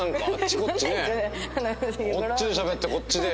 こっちでしゃべってこっちでやって。